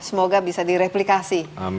semoga bisa direplikasi